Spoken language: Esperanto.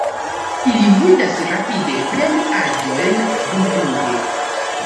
Ili ludas rapide preni aĵojn dumfluge.